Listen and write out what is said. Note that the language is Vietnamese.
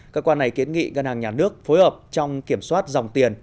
cơ quan này kiến nghị ngân hàng nhà nước phối hợp trong kiểm soát dòng tiền